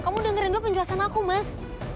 kamu dengerin dulu penjelasan aku mas